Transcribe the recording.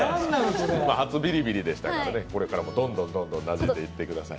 初ビリビリでしたからこれからもどんどんなじんでいってください。